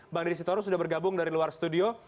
mbak dedy sitoru sudah bergabung dari luar studio